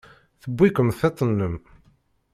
Tewwi-kem tiṭ-nnem.